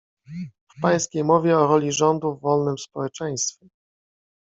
W pańskiej mowie o roli rządu w wolnym społeczeństwie